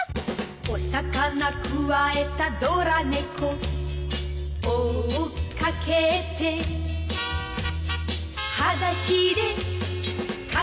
「お魚くわえたドラ猫」「追っかけて」「はだしでかけてく」